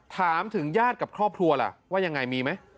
ถามถึงญาติกับครอบครัวล่ะว่ายังไงมีไหม